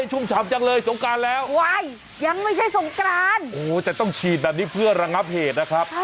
ชุ่มฉ่ำจังเลยสงกรานแล้วยังไม่ใช่สงกรานแต่ต้องฉีดแบบนี้เพื่อระงับเหตุนะครับ